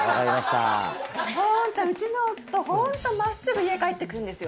うちの夫、本当に真っすぐ家、帰ってくるんですよ。